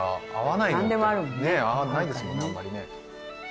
ないですもんねあんまりね。